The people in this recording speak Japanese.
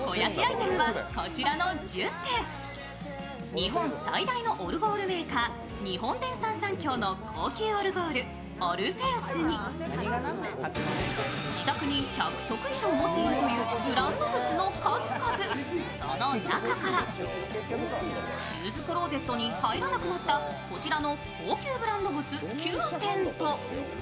日本最大のオルゴールメーカー日本電産サンキョーの高級オルゴール、オルフェウスに、自宅に１００足以上持っているというブランド靴の数々、その中からシューズクローゼットに入らなくなったこちらの高級ブランド靴９点